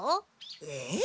えっ？